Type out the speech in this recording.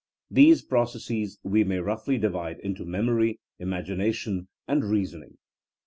These processes we may roughly di vide into memory, imagination and reasoning.